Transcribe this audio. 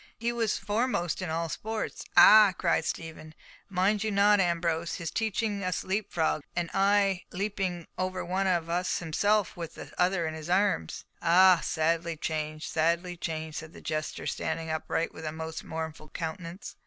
He was foremost in all sports." "Ah!" cried Stephen, "mind you not, Ambrose, his teaching us leap frog, and aye leaping over one of us himself, with the other in his arms?" "Ah! sadly changed, sadly changed," said the jester, standing upright, with a most mournful countenance.